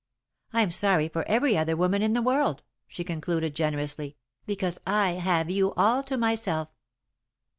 I'm sorry for every other woman in the world," she concluded, generously, "because I have you all to myself."